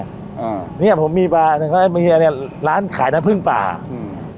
อ่าเนี้ยผมมีปลามีอะไรร้านขายน้ำพึ่งป่าอืม